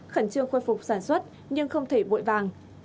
khẩn trương khôi phục sản xuất nhưng không thể vội vàng